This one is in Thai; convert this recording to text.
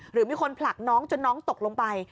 หรือมีคนผลักน้องจนน้องตกลงไป